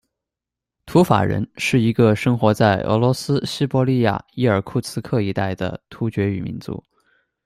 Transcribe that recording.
图法人，是一个生活在俄罗斯西伯利亚伊尔库茨克一带的突厥语民族。